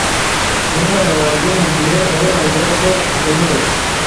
n’umwana wanjye mu gihe nabonaga ko bikomeye